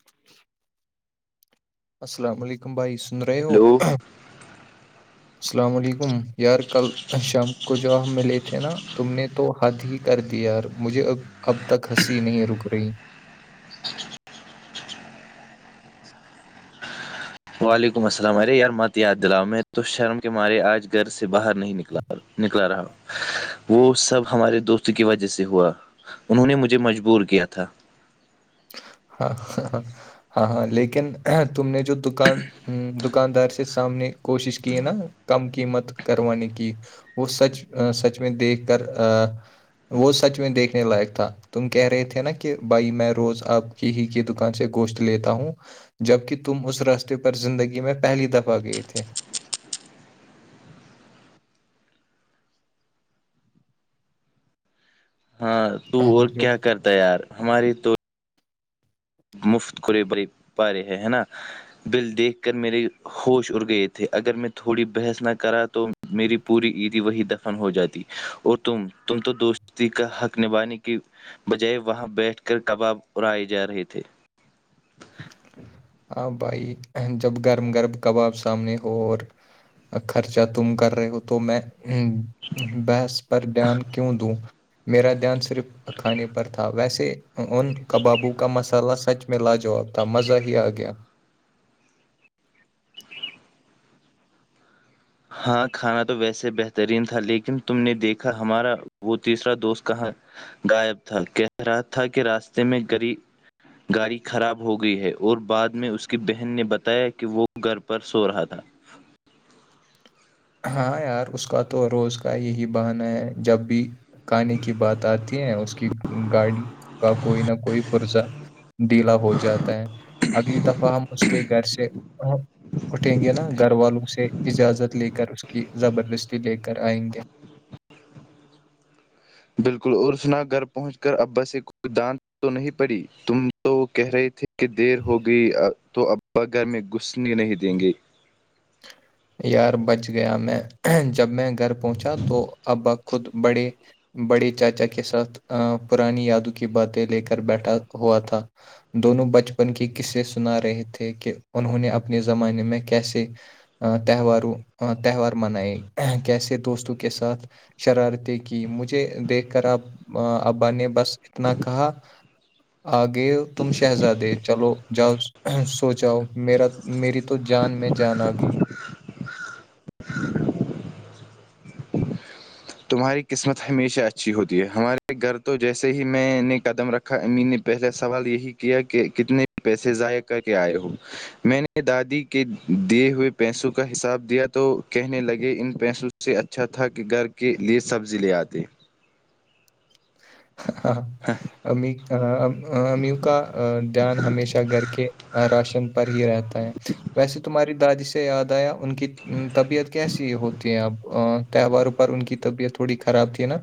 ج السلام علیکم بھائی سن رہے ہو ہلو السلام علیکم یار کل شام کو جو ہم میں لے تھے نا تم نے تو ہھ ہی کر دیا یار مجھے ا اب تک ہنسی نہیں رک رہی وعلیکم السلام ارے یار مت یاد دلاؤ میں تو شرم کے مارے آج گھر سے باہر نہیں نکلا نکلا رہا وہ سب ہمارے دوست کی وجہ سے ہوا انہوں نے مجھے مجبور کیا تھا ہاں ہ ہ ہاں ہاں لیکن تم نے جو دکان ہ دکاندار سے سامنے کوشش کی نا کم قیمت کروانے کی وہ سچ سچ میں دیکھ کر وہ سچ میں دیکھنے لائق تھا تم کہہ رہے تھے نا کہ بھائی میں روز آپ کی ہی کی دکان سے گوشت لیتا ہوں جبک تم اس راستے پر زندگی میں پہلی دفعہ گئے تھے ہاں تو ہاں اور جو کیا کرتا یار ہماری تو مفت کورے بریے پارے ہیں ہے نا بل دیکھ کر میرے ہوش اڑ گئے تھے اگر میں تھوڑی بحث نہ کرا تو میری پوری عیدی وہی دفن ہو جاتی اور تم تم تو دوستی کا حق نبھانے کی بجائے وہاں بیٹھ کر کباب اڑائے جا رہے تھے ہاں بھائی جب گرم گرب کباب سامنے ہو اور خرچہ تم کر رہے ہو تو میں بحث پر دھیان کیوں دوں میرا دھیان صرف کھانے پر تھا ویسے ان کبابوں کا مسالہ سچ میں لا جواب مزہ ہی آ گیا ہاں کھانا تو ویسے بہترین تھا لیکن تم نے دیکھا ہمارا وہ تیسرا دوست کہاں غائب تھا کہہ رہا تھا کہ راستے میں گری گاڑی خراب ہو گئی ہے اور بعد میں اس کی بہن نے بتایا کہ وہ گھر پر سو رہا تھا ہاں یار اس کا تو روز کا یہی بہانہ ہے جب بھی کہانی کی بات آتی ہے اس کی گاڑی کا کوئی نہ کوئی پرزہ دلا ہو جاتا ہے اگلی دفعہ ہم اس کے گھر سے اٹھیں گے نا گھر والوں سے اجازت لے کر اس کی زبردستی لے کر آئیں گے بالکل اور سنا گھر پہنچ کر اباس کوئی دان تو نہیں پڑی تم تو وہ کہہ رہے تھے کہ دیر ہو گئی تو اب بگر میں گھسنے نہیں دیں گے ج یار بچ گیا میں جب میں گھر پہنچا تو ابا خود بڑے بڑے چاچا کے ساتھ پرانی یادوں کی باتیں لے کر بیٹھا ہوا تھا دونوں بچپن کے قصے سنا رہے تھے کہ انہوں نے اپنے زمانے میں کیسے تہواروں تہوار منائے کیسے دوستوں کے ساتھ شرارتیں کی مجھے دیکھ کر اب ابا نے بس اتنا کہا آگیے تم شہزادے چلو جااز سوجاؤ میرا میری تو جان میں جان آ گئی تمہاری قسمت امی نے پہلا سوال یہی کیا کہ کتنے پیسے ضائع کر کے آئے ہو میں نے دادی کے دیے ہوئے پیسوں کا حساب دیا تو کہنے لگے ان پیسوں سے اس پیسوں اچھا تھا کہ گھر کے لئے سبزی لے آتے ہاں امی امیو کا دھیان ہمیشہ گھر کے راشن پر ہی رہتا ہے ویسے تمہاری دادی سے یاد آیا ان کی طبیعت کیسی ہوتی ہے اب تہواروں پر ان کی طبیعت تھوڑی خراب تھی نا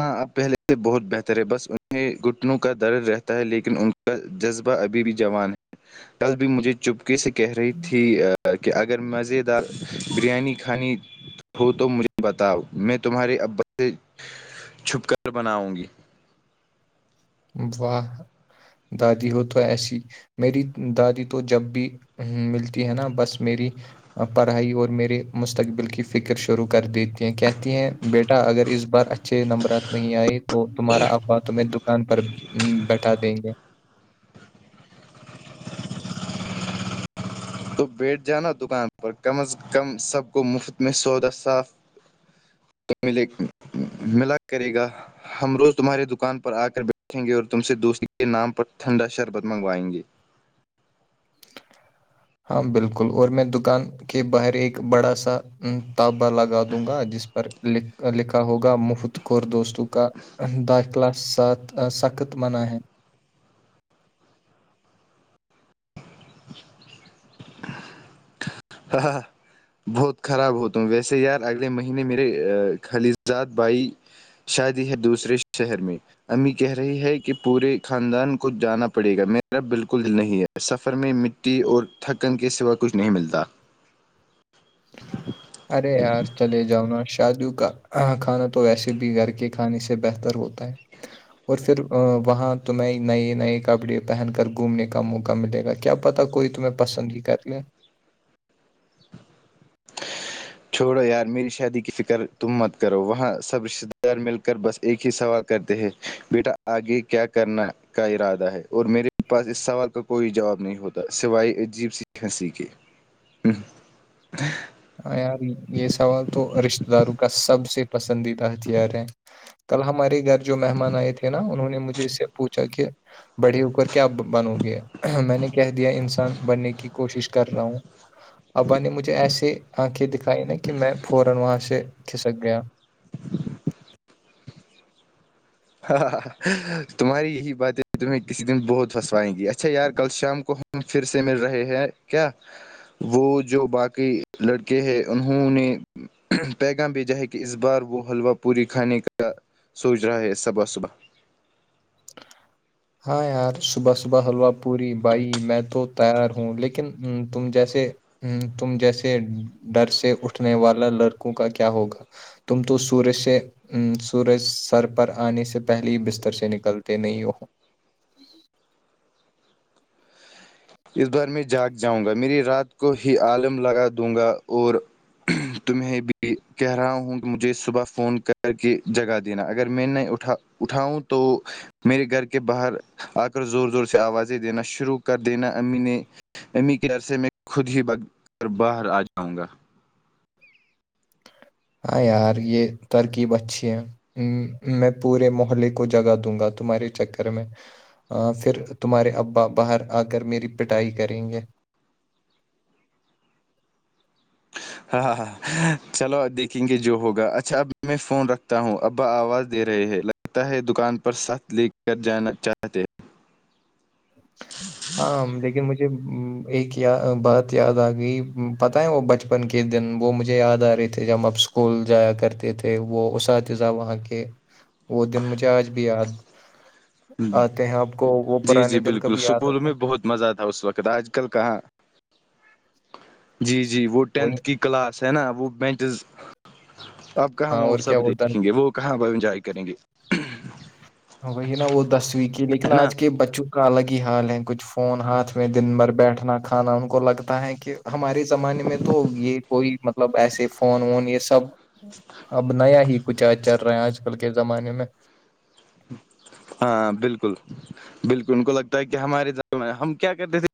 ہاں پہلے سے بہت بہتر ہے بس انہیں گھٹنوں کا درد رہتا ہے لیکن ان کا جذبہ ابھی بھی جوان ہے کل بھی مجھے چپکے سے کہہ رہی تھی کہ اگر مزیدار بریانی کھانی ہو تو مجھے بتاؤ میں تمہارے اب سے چھپ کر بناؤں گی واہ دادی ہو تو ایسی میری دادی تو جب بھی ملتی ہے نا بس میری پڑھائی اور میرے مستقبل کی فکر شروع کر دیتی ہیں کہتی ہیں بیٹا اگر اس بار اچھا اچھے نمبرات نہیں آئی تو تمہارا اا تمہیں دکان پر بیٹھا دیں گے تو بیٹھ جانا دکان پر کم از کم سب کو مفت میں سودا صاف تو ملے ملا کرے گا ہم روز تمہاری دکان پر آ کر بیٹھیں گے اور تم سے دوستی کے نام پر ٹھنڈا شربت منگوائیں گے ہاں بالکل اور میں دکان کے باہر ایک بڑا سا تابا لگا دوں گا جس پر لکھا ہوگا مفت کور دوستوں کا داخلہ سات سخت منا ہے ہاں ہاں ہاں بہت خراب ہوتا ہوں ویسے یار اگلے مہینے میرے خالجاد بھائی شادی ہے دوسرے شہر میں امی کہہ رہی ہے کہ پورے خاندان کو جانا پڑے گا میرا بالکل دل نہیں ہے اس سفر میں مٹی اور تھکن کے سوا کچھ نہیں ملتا ارے یار چلے جاؤ نا جادو کا کھانا تو ویسے بھی گھر کے کھانے سے بہتر ہوتا ہے اور پھر وہاں تمہیں نئے نئے کپڑے پہن کر گھومنے کا موقع ملے گا کیا پتا کوئی تمہیں پسند ہی کر لے [inaudible] چھوڑو یار میری شادی کی فکر تم مت کرو وہاں سب رشتتے دار مل کر بس ایک ہی سوال کرتے ہیں بیٹا آگے کیا کرنا کا ارادہ ہے اور میرے پاس اس سوال کا کوئی جواب نہیں ہوتا سوائے عجیب سی ہنسی کے ہمم [inaudible] ہا یار یہ سوال تو رشتتے داروں کا سب سے پسندیدہ ہتھیار ہے کل ہمارے گھر جو مہمان آئے تھے نا انہوں نے مجھے اس سے پوچھا کہ بڑے ہوکر کیا بنوگے میں نے کہہ دیا انسان بننے کی کوشش کر رہا ہوں ابا نے مجھے ایسے انکھیں دکھائی نا کہ میں فورا وہاں سے کھسک گیا ہاں ہ تمہاری یہی بات ہے تمہیں کسی دن بہت پھنسوائیں گی اچھا یار کل شام کو پھر سے مل رہے ہیں کیا وہ جو باقی لڑکے ہے انہوں نے پیغام بھیجا ہے کہ اس بار وہ حلوا پوری کھانے کا سوچ رہا ہے صب بس صبح ہاں یار صبح صبح حلوہ پوری بھائی میں تو تیار ہوں لیکن تم جیسے ہ تم جیسے ڈر سے اٹھنے والا لڑکوں کا کیا ہوگا تم تو سورج سے ا سورج سر پر آنے سے پہلے ہی بستر سے نکلتے نہیں ج اس بار میں جاگ جاؤں گا میری رات کو ہی عالم لگا دوں گا اور تمہیں بھی کہہ رہا ہوں کہ مجھے صبح فون کر کے جگہ دینا اگر میں نے اٹھا اٹھاؤں تو میرے گھر کے باہر آ کر زور زور سے آوازیں دینا شروع کر دینا امی نے امی کے عرصے میں خود ہی بک کر باہر آ جاؤں گا ہاں یار یہ ترکیب اچھی ہے ہ میں پورے محلے کو جگا دوں گا تمہارے چکر میں پھر تمہارے ابا باہر آ کر میری پٹائی کریں گے ہاں ہ ہاں چلو دیکھیں گے جو ہوگا اچھا اب میں فون رکھ تا ہوں ابا آواز دے رہے ہیں لگتا ہے دکان پر ساتھ لے کر جانا چاہتے ہیں [inaudible] ہاں لیکن مجھے ایک یا بات یاد آ گئی پت ہے وہ بچ بچپن کے دن وہ مجھے یاد آ رہے تھے جب آپ اسکول جایا کرتے تھے وہ اساتذہ وہاں کے وہ دن مجھے آج بھی یاد آتے ہیں آپ کو وہ پرانے دن کبھی یاد کول آتے میں ہیں ب بہت مزہ تھا اس وقت آج کل کہاں جی جی وہ وہی ٹینتھ کی کلاس ہے نا وہ بینچز آپ کہاں ہاں وہ وہ اور کیا سب دیکھیں گے وہ کہاں وہ ا انجوائے کریں گے ہو گئی ہے نا وہ دسویں کی لیکن ہے نا آج کے بچوں کا الگ ہی حال ہے کچھ فون ہاتھ میں دن بھر بیٹھنا کھانا ان کو لگتا ہے کہ ہمارے زمانے میں تو یہ کوئی مطلب ایسے فون وون یہ سب اب نیا ہی کچھ آ چل رہا ہے آج کل کے زمانے میں ہاں بالکل بالکل ان کو لگتا ہے کہ ہمارے زان ہم کیا کرتے تھے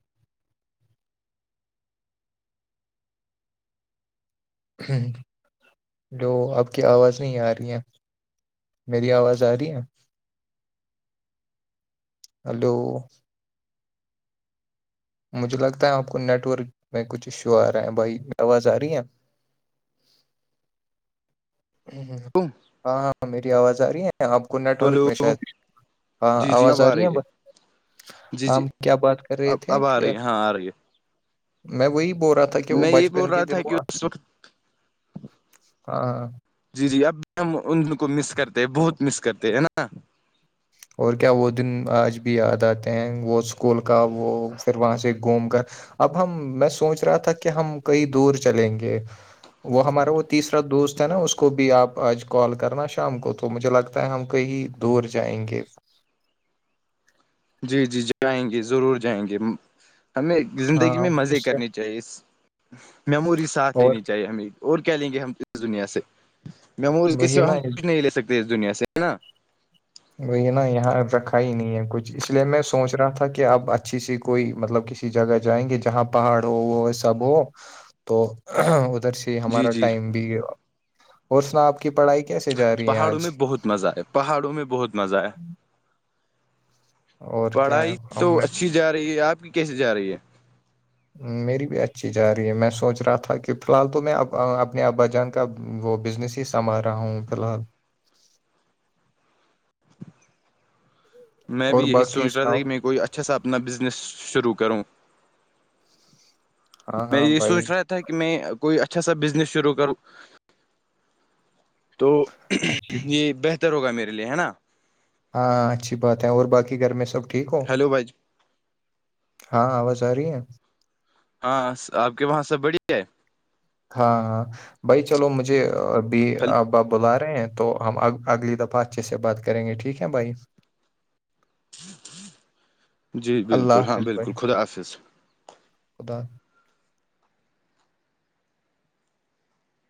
ہ جو آپ کی آواز نہیں آ رہی ہیں میری آواز آ رہی ہے ہلو مجھے لگتا ہے آپ کو نیٹ ورک میں کچھ ایشو آ رہے ہیں بھائی آواز آ رہی ہے ا ہ بن ہاں ہاں میری آواز آ رہی ہے آپ کو نیٹ ورک ہلو میں شاید ہاں آواز آ رہی ہے بس جی جی ہم کیا بات کر رہے اب تھے اب آ کہ رہی ہے ہاں آ رہی میں وہی بول رہا تھا کہ ہے وہ میں یہ بول بچپن کے رہا دن تھا وہ کہ اس وقت ہاں ہاں جی جی اب بھی ہم ان کو مس کرتے ہیں بہت مس کرتے ہے نا اور کیا وہ دن آج بھی یاد آتے ہیں وہ اسکول کا وہ پھر وہاں سے گھوم کر اب ہم میں سوچ رہا تھا کہ ہم کئی دور چلیں گے وہ ہمارا وہ تیسرا دوست ہے نا اس کو اس کو بھی آپ آج کال کرنا شام کو تو مجھے لگتا ہے ہم کہیں دور جائیں گے [inaudible] جی جی جائیں گے ضرور جائیں گے ہمیں زندگی ہاں میں مزے اس سے کرنی چاہیے اس میموری ساتھ اور لینی چاہیے ہمیں اور کیا لیں گے ہم اس دنیا سے ممورز کے وہی سوا نا ہم کچھ نہیں لے سکتے اس دنیا سے ہے نا وہ یہ نا یہاں رکھا ہی نہیں ہے کچھ اس لیے میں سوچ رہا تھا کہ اب اچھی سی کوئی مطلب کسی جگہ جائیں گے جہاں پہاڑ ہو وہ سب ہو تو ادھر سے جی ہمارا جی ٹائم بھی اور سنا آپ کی پڑھائی کیسی پہاڑوں میں بہت مزہ آئے پہاڑوں میں بہت مزہ آیا اور کیا ہے پڑھائی تو ہم میں اچھی جا رہی ہے آپ کی کیسے جا رہی ہے میری بھی اچھی جا رہی ہے میں سوچ رہا تھا کہ فی الحال تو میں اپنے ابا جان کا وہ بزنس ہی سنبھار رہا ہوں فی الحال میں اور بھی یہی باقی سوچ رہا تھا سناؤ کہ میں کوئی اچھا سا اپنا بزنس شروع کروں ہاں میں ہاں یہ بھائی سوچ رہا تھا کہ میں کوئی اچھا سا بزنس شروع کروں تو اچھی یہ بہتر ہوگا میرے لیے ہے نا ہاں اچھی بات ہے اور باقی گھر میں سب ٹھیک ہو ہیلو بھائی ہاں آواز آ رہی ہے ہاں آپ کے وہاں سب بڑی ہے ہاں ہاں بھائی چلو مجھے بھی ہے ابا بلاار رہ ہیں تو ہم اگلی دفعہ اچھے سے بات کریں گے ٹھیک ہے بھائی جی بالکل اللہ ہاں حافظ بھائی بالکل خدا حافظ خدا